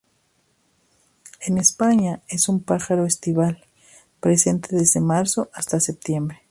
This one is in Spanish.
En España es un pájaro estival, presente desde marzo hasta septiembre.